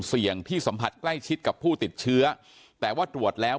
เสี่ยงที่สัมผัสใกล้ชิดกับผู้ติดเชื้อแต่ว่าตรวจแล้ว